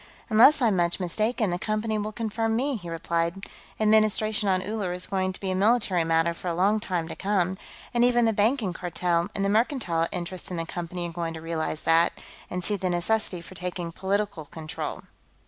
"Unless I'm much mistaken, the Company will confirm me," he replied. "Administration on Uller is going to be a military matter for a long time to come, and even the Banking Cartel and the mercantile interests in the Company are going to realize that, and see the necessity for taking political control.